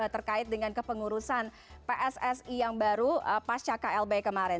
terkait dengan kepengurusan pssi yang baru pasca klb kemarin